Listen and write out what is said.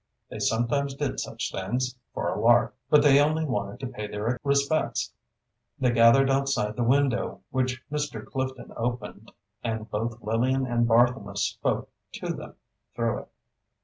They sometimes did such things, for a lark. But they only wanted to pay their respects. They gathered outside the window, which Mr. Clifton opened, and both Lillian and Barthelmess spoke to them through it.